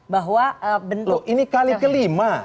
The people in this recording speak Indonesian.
bahwa bentuk ini kali kelima